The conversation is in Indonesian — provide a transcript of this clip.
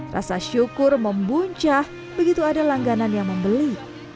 rasa syukur membuncah begitu ada langganan yang membeli